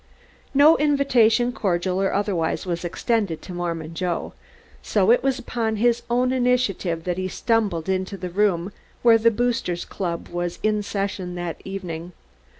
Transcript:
No invitation cordial or otherwise was extended to Mormon Joe, so it was upon his own initiative that he stumbled into the room where the Boosters Club was in session that evening.